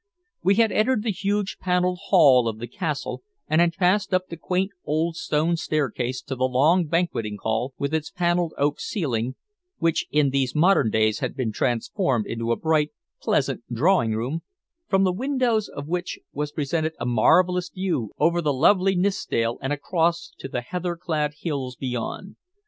We had entered the huge paneled hall of the Castle, and had passed up the quaint old stone staircase to the long banqueting hall with its paneled oak ceiling, which in these modern days had been transformed into a bright, pleasant drawing room, from the windows of which was presented a marvelous view over the lovely Nithsdale and across to the heather clad hills beyond.